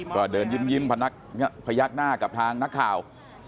ก็เดินยิ้มพยักหน้ากับทางนักข่าว